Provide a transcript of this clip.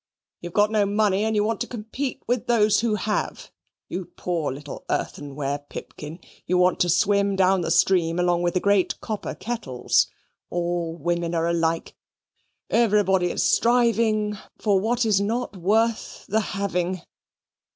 "You've got no money, and you want to compete with those who have. You poor little earthenware pipkin, you want to swim down the stream along with the great copper kettles. All women are alike. Everybody is striving for what is not worth the having!